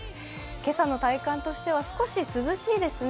今朝の体感としては少し涼しいですね。